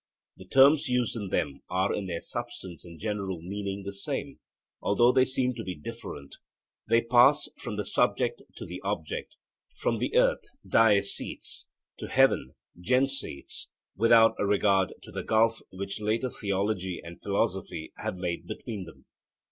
The terms used in them are in their substance and general meaning the same, although they seem to be different. They pass from the subject to the object, from earth (diesseits) to heaven (jenseits) without regard to the gulf which later theology and philosophy have made between them.